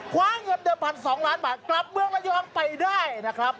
คว้าเงินเดือมพันธุ์สองล้านบาทกลับเมืองและยอมไปได้นะครับ